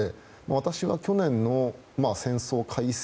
私は去年の戦争開戦